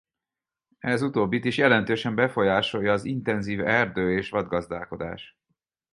Ez utóbbit is jelentősen befolyásolja az intenzív erdő- és vadgazdálkodás.